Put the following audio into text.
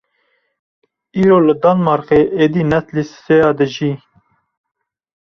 Îro li Danmarkê êdî neslî sisêya dijî!